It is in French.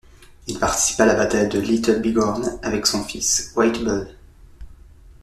Il participa à la bataille de Little Bighorn, avec son fils White Bull.